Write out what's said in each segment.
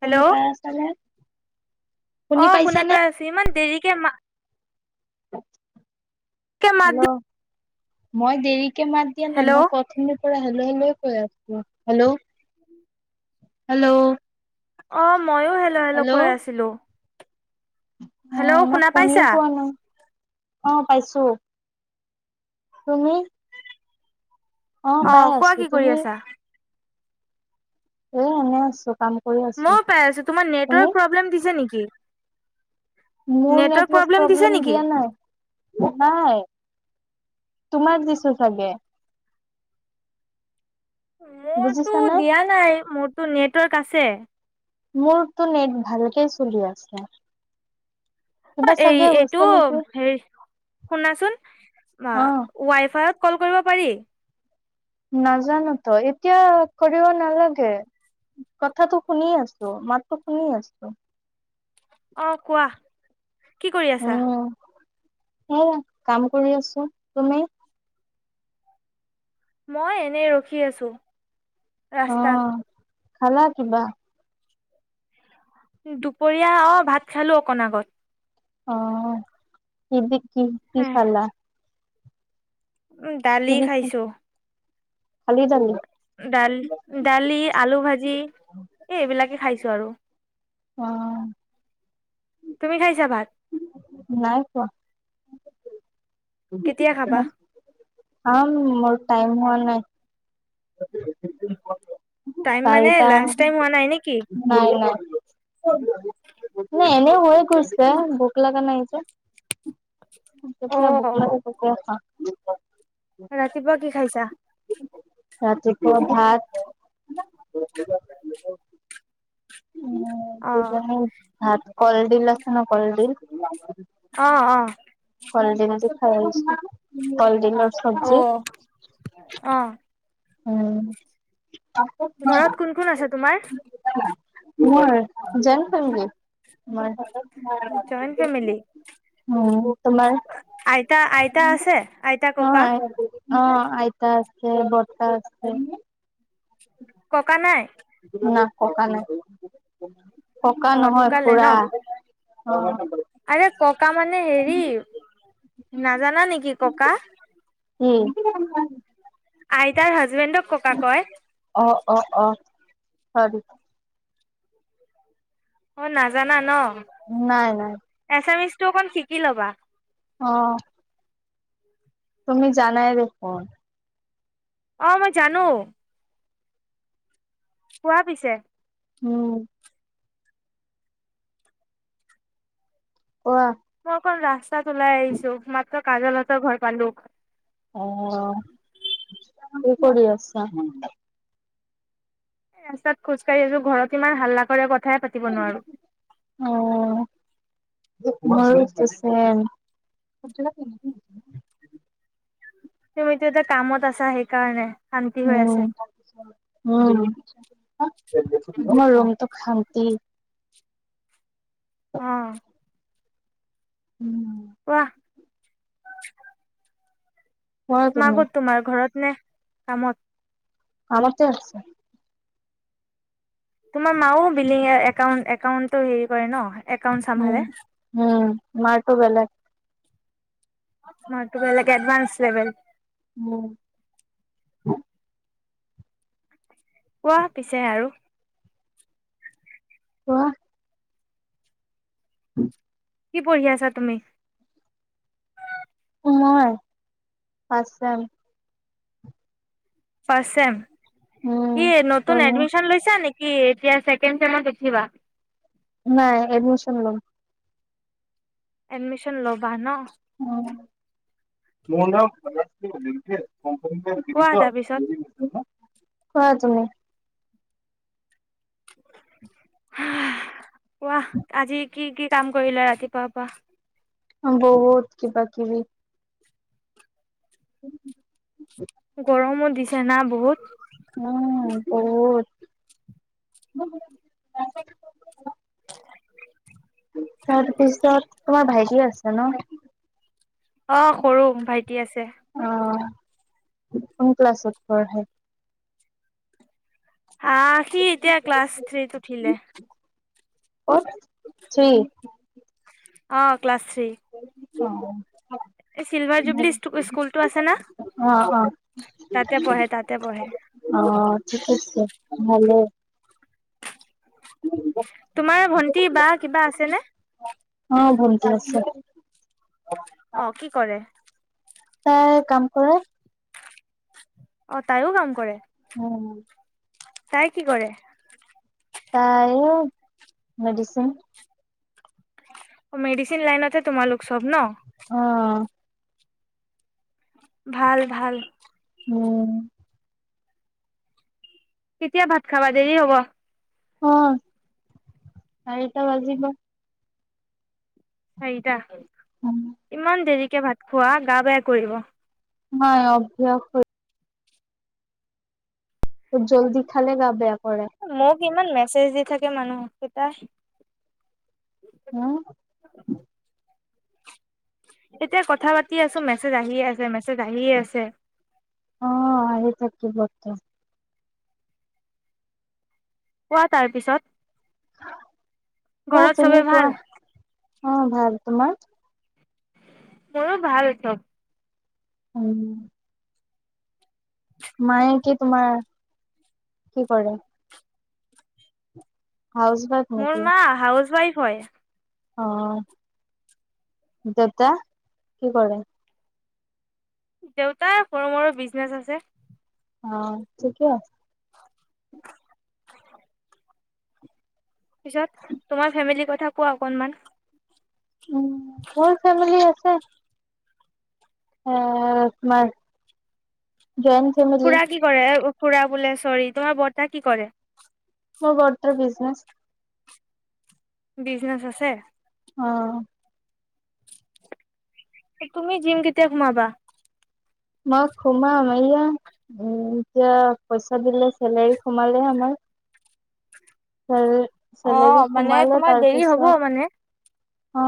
শুনি পাই আছানে? অ' শুনি পাই আছোঁ। ইমান দেৰি এতিয়া মা হেল্ল' [unintelligible] মই দেৰি [unintelligible] হেল্ল' হেল্ল' কৈ আছে। হেল্ল'! হেল্ল'! অ' মইয়ো হেল্ল' হেল্ল' কৈ আছিলোঁ। অ' হেল্ল' মই শুনা শুনি পাইছা? পোৱা নাই অ' পাইছো। তুমি? পাই অ' কোৱা আছো। কি কৰি তুমি? আছা? এ' এনে আছোঁ কাম কৰি আছো। ময়ো পাই আছোঁ। তোমাৰ তুমি? নেটৱৰ্ক প্ৰব্লেম দিছে নেকি? [unintelligible] মোৰ নেটৱৰ্ক প্ৰব্লেম দিয়া নাই, নাই। তোমাক দিছে চাগে! মোৰতো বুজিছানে? দিয়া নাই মোৰ [unintelligible] নেটৱৰ্ক আছে। মোৰটো নেট ভালকে চলি আছে। কিবা অ' এই চাগে এইটো হৈছে নেকি? হেৰি শুনাচোন অ' ৱাই ফাইত ক'ল কৰিব পাৰি? নাজান তো, এতিয়া কৰিব নালাগে। কথাটো শুনি আছোঁ, মাতটো শুনি আছোঁ। অ' কোৱা? কি কৰি আছা? উম, কাম কৰি আছোঁ। তুমি? মই এনে ৰখি আছোঁ। অ ৰাস্তাত। খালা কিবা? দুপৰীয়া অ' ভাত খালো অকণ আগত। অ' [unintelligible] কি কি খালা? উম, কি দালি দি খাইছোঁ। খালি দালি? দাল দালি আলু ভাজি এই এইবিলাকে খাইছ বিচাৰো অ তুমি খাইছাাবা নাই কোৱা কেতিয়া খাবা আ অ মোৰ তাইম হোৱা নাই াই মানে চাৰিটা লাঞ্চ টাইম হোৱা নাই নেকি নাই নাই নাই এনে হয়য় কছ ভোক লাগা নাই [inaudible] অ তেতিয়া বুক ল ত আা [unintelligible] ৰাতিপুৱা কি খাইছা ৰাতিপুৱা ভাত অ উ হাত কলডিল আছে ন কলডিল অ অ কলদিন যে খাইছো কলদিন অ আহ উম ঘৰত কোন কোন আছে তোমাৰ মই জইন ফেমেলী [unintelligible] জইট ফেমিলি উম, তোমাৰ আইতা আইতা আছে আইতা অ', ককা অ আইতা আছে ব আ ককা নাই ন ককা নাই পকা অ নহয় ফুৰা হয় আ ককা মানে হেৰি নাজানা নেকি ককা উম আইতাৰ হাজ জুৱেনদক ককা কয় অ', অ অ খৰি অ নাজানা ন নাই নাই টো অকণ শিকি ল'বা অহ তুমি জানাই দেখোন অ মই জানো কোৱা পিছে উম কোৱা মই কন ৰাস্ত- তাত ওলাই আহিছো মাত্ৰ কাজলহত ঘৰ পালো অ পৰি আছা এ ৰাস্তাত খোজকাঢ়ি আছো ঘৰত ইমান হাল্লা কৰে কথ অ--হ [unintelligible] তুমিতো এতিয়া কামত আছা সেইকাৰণে শান্তি হৈ উম, আছে তাৰপিছত উম মৰ ৰংটো খাম্তি অহ উম কোৱাহ হয় তুমি মাগত তোমাৰ ঘৰত নেহ কামত আমতে আছে তোমাৰ মাও বিলিং একাউ একাউন্টো হেৰি কৰে ন একাউণ্ট চম্ভালে। উম উম মাৰটো বেলেগ মাৰতো বেলেগ এডভান্স লেভেল উম কোৱা পিছে আৰু কোৱাহ [inaudible] কি পঢ়ি আছা তুমি মই ফাৰ্ষ্ট চেম চেম ই উম। নতুন তুমি এডমিশ্যন লৈছা নেকি? কি এতিয়া চেকেণ্ড চেমত ওঠিবা নাই এডমিশ্যন লম এডমিশ্যন ল'বা ন মোৰ নাম [unintelligible] কম্পানী কোৱা দিৰিছ তাৰপিছত [unintelligible] ন কোৱা তুমি [inaudible] আহ কোৱা আজি কি কি কাম কৰিলে ৰাতিপুৱা পৰা আহ বহুত কিবাকিবি হয় [inaudible] গৰমো দিছে না বহুত উম, বহুত [inaudible] [unintelligible] তাৰ পিছত তোমাৰ ভাইটি ভাইটি আছে ন অ সৰু ভাইটি আছে অ', কোন ক্লাছত পঢ়ে আ সি এতিয়া ক্লাছ থ্ৰীত উঠিলে ক'ত থ্ৰীত অ ক্লাছ থ্ৰী অ এই চিলভাৰ জুবলি স্কুলটো আছে না অ অ অ তাতে পঢ়ে তাতে পঢ়ে অ ঠিক আছে ভালে তোমাৰ ভন্টি বা কিবা আছেনে অ ভন্তি আছে অ কি কৰে তাই কাম কৰে অ তাইও কাম কৰে আহ তাই কি কৰে তাই এ মেডিচিন মেডিচিন লাইনতে তোমালোক চব ন আহ ভাল ভাল উম কেতিয়া ভাত খাবা দেৰি হ'ব অ চাৰিটা বাজিব চাৰিটা ইমান দেৰি কে ভাত খোৱা গা বেয়া কৰিব হয় অভ্যাস হৈ বহুত জল্দি খালে গা বেয়া কৰে মোক ইমান মেছেজ দি থাকে মানুহ কেইটাই হম এতিয়া কথা পাতি আছোঁ মেছেজ আহিয়ে আছে মেছেজ আহিয়ে আছে অ আহি থাকিবতো কোৱা তাৰ পিছত কোৱা ঘৰত তুমি চবে ভাল কোৱা অ ভাল তোমাৰ মোৰো ভাল চব উম মায়ে কি তোমাৰ কি কৰে হাউচ ৱাইফ মোৰ নেকি মা হাউচ ৱাইফ। হয় অ দেউতা কি কৰে? দেউতাৰ সৰু মৰু বিজনেচ আছে। অ ঠিকে আছে [inaudible] পিছত তোমাৰ ফেমিলিৰ কথা কোৱা অকনমান। উ মোৰ ফেমিলি আছে আঁ তোমাৰ খুৰা কি কৰে? খুৰা বোলে চৰি তোমাৰ বৰ্তা কি কৰে? অঁ বৰ্তা বিজনেছ বিজনেচ আছে। অ তুমি জিম কেতিয়া সোমাবা? মই সোমাম এয়া উ এতিয়া পইচা দিলে চেলাৰী সোমালে আমাৰ। উম অ মানে তোমাৰ দেৰি হ'ব মানে। অ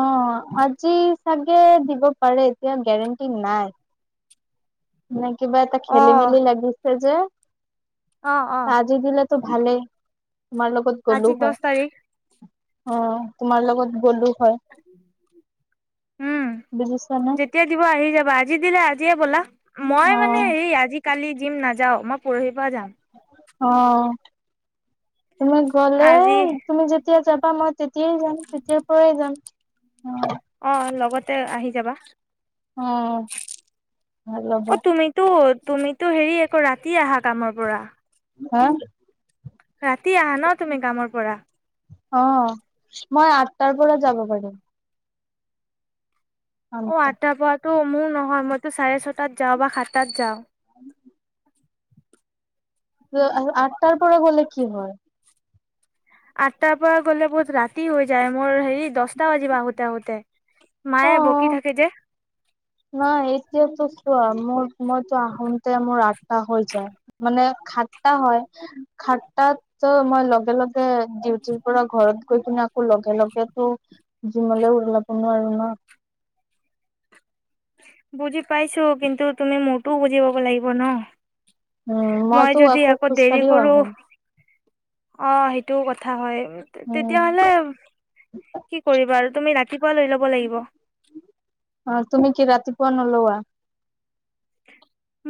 আজি চাগে দিব পাৰে এতিয়া গেৰেণ্টি নাই কিবা এটা খেলিমেলি লাগিছে। সেই যে অঁ অঁ টো ভালে তোমাৰ লগত গ'লো হয়। দহ তাৰিখ অ তোমাৰ লগত ব'লো। উম বুজিছানে যেতিয়া দিব আহি যাবা আজি দিলে আজিয়ে ব'লা। মই অ মানে হে আজ কালি জি নাযাও ম অ তুমি গ'লে আজি তুমি যেতিয়া যাবা মই তেতিয়াই যাম তেতিয়াৰ পৰাই যাম। অ লগত তে আহি যাবা অ ভয় অ লাগে তুমিতো তুমিতো হেৰি আকৌ ৰাতি আহা কামৰ পৰা হা [inaudible] ৰাতি আহা ন তুমি কামৰ পৰা অ মই আঠটাৰ পৰা যাব পাৰিম অ আঠটা আটা পথ ত মোৰ নহয় মইতো চাৰে ছটাত যাওঁ বা সাতটাত যাওঁ হয় আঠটাৰ পৰা গলে কি হয় আঠটাৰ পৰা গ'লে বহুত ৰাতি হৈ যায় মোৰ হেৰি দহটা বাজি আহোতে আহোতে মায়ে বকি থাকে যে ন এতিয়া তো চোৱা মোৰ সময়তো আহোতে মোৰ আঠটা হৈ যায় মানে সাতটা হয় সাতটাততো মই লগে লগে ডিউটিৰ পৰা ঘৰত গৈ পনে আকৌ লগে লগেতো জিমলে ওলাব নোৱাৰো ন বুজি পাইছো কিন্তু তুমি মোৰতো বুজি পাব লাগিব ন উম মই তো যদি আকৌ দেৰি খোজকাঢ়িও কৰো আহো অ সেইটোও কথা হয় তেতিয়াহলে উম কি কৰিবা আৰু তুমি ৰাতিপুৱা লৈ লব লাগিব পুৱা নলোৱা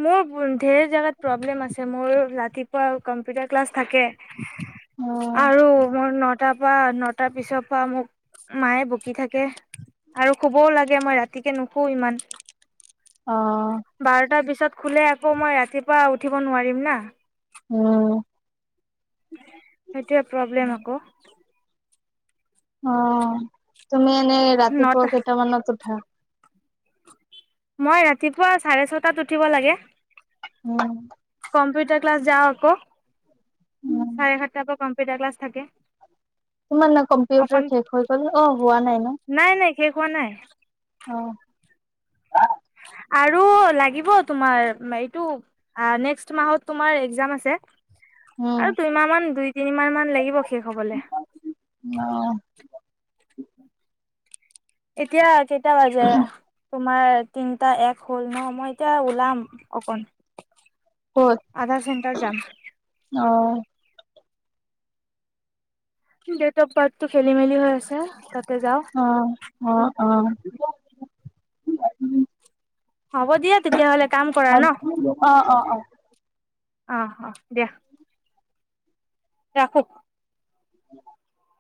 মোৰ ধেৰ জেগাত প্ৰব্লেম আছে মোৰ ৰাতিপুৱা কম্পিউটাৰ ক্লাছ থাকে উম আৰু মোৰ নত টাৰ পৰা নটাৰ পিছৰ পৰা মোক মায়ে বকি থাকে আৰু শুবও লাগে মই ৰাতিকে নুশু ইমান অ বাৰটাৰ পিছত শুলে আকৌ মই ৰাতিপুৱা উঠিব নোৱাৰিম না উম এতিয়া প্ৰব্লেম আকৌ অ তুমি এনেই ৰাতিপুৱা নটা কেইটামানত উঠা মই ৰাতিপুৱা চাৰে ছটাত উঠিব লাগে উম কম্পিউটাৰ ক্লাছ যাওঁ আকৌ উম চাৰে সাতটাৰ পৰা কম্পিউটাৰ ক্লাছ থাকে তোমাৰ ন কম্পিউটাৰ অকন শেষ হৈ গ'ল অ হোৱা নাই ন নাই নাই শেষ হোৱা নাই উম আৰু লাগিব তোমাৰ এইটো নেক্স মাহত তোমাৰ এক্জাম আছে উম আৰু দুই মাহ মান দুই তিনি মাহ মান লাগিব শেষ হবলৈ অ এতিয়া কেতি কেই বাজে তোমাৰ তিনিটা এক হ'ল ন মই এতিয়া ওলাম অকন। আধা ঘেণ্টাৰ যাম। অঁ। ডেট অফ বাৰ্থটো খেলি মেলি হৈ আছে ত অ অ। অঁ। হ'ব দিয়া তেতিয়াহলে কাম কৰা ন? অ অ অ অ দিয়া। ৰাখো। [inaudible]